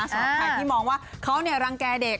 แผ่นที่มองว่าเขาเนี่ยรังแก่เด็ก